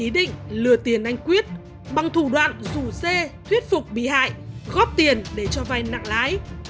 ý định lừa tiền anh quyết bằng thủ đoạn rủ xe thuyết phục bị hại góp tiền để cho vay nặng lãi